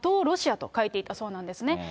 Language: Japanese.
ロシアと書いていたそうなんですね。